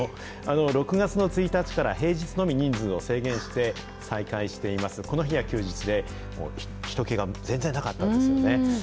６月の１日から平日のみ人数を制限して再開しています、この日は休日で、ひと気が全然なかったんですよね。